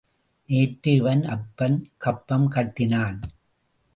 நேற்று இவன் அப்பன் கப்பம் கட்டினான்.